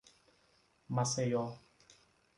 Maceió